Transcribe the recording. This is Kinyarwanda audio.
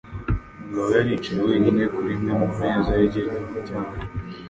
Mugabo yari yicaye wenyine kuri imwe mu meza yegereye umuryango.